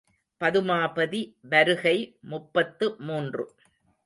பதுமாபதி வருகை முப்பத்து மூன்று.